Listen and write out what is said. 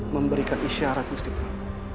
memberikan isyarat gusti prabu